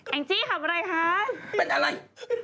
แอ้งจี้คำอะไรคะเป็นอะไร